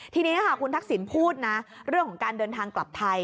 ทีนี้ค่ะคุณทักษิณพูดนะเรื่องของการเดินทางกลับไทย